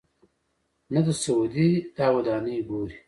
نه د سعودي دا ودانۍ ګوري.